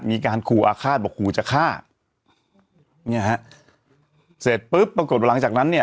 มีการขู่อาฆาตบอกขู่จะฆ่าเนี่ยฮะเสร็จปุ๊บปรากฏว่าหลังจากนั้นเนี่ย